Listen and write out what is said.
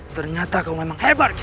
ternyata kau memang hebat